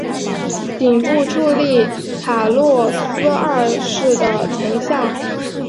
顶部矗立卡洛斯二世的铜像。